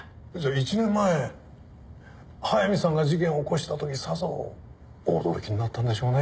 １年前早見さんが事件を起こした時さぞ驚きになったんでしょうね。